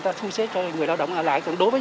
chúng ta thu xế cho người lao động ở lại còn đối với